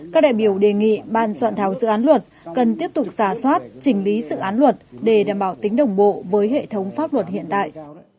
các đại biểu đề nghị ban soạn thảo dự án luật cần tiếp tục giả soát chỉnh lý dự án luật để đảm bảo tính đồng bộ với hệ thống pháp luật hiện tại